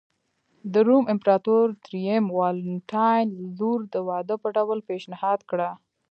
د روم امپراتور درېیم والنټیناین لور د واده په ډول پېشنهاد کړه